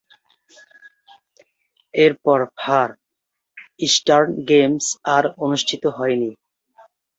এর পর far eastern games আর অনুষ্ঠিত হয়নি।